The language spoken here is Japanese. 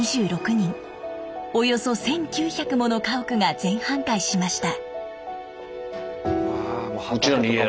およそ１，９００もの家屋が全半壊しました。